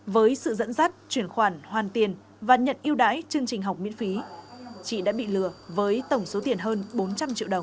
với sự dẫn dắt chuyển khoản hoàn tiền và nhận yêu đáy chương trình học miễn phí chị đã bị lừa với tổng số tiền hơn bốn trăm linh triệu đồng